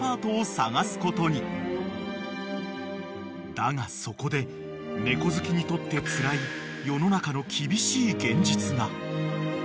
［だがそこで猫好きにとってつらい世の中の］